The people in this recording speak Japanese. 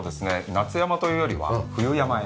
夏山というよりは冬山へ。